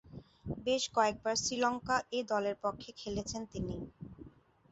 বেশ কয়েকবার শ্রীলঙ্কা এ দলের পক্ষে খেলেছেন তিনি।